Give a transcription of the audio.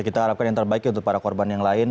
kita harapkan yang terbaik untuk para korban yang lain